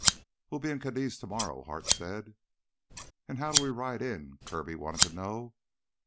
"We'll be in Cadiz tomorrow," Hart said. "An' how do we ride in?" Kirby wanted to know.